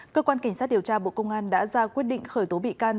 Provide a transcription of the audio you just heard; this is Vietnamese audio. cơ quan cảnh sát điều tra bộ công an đã ra quyết định khởi tố bị can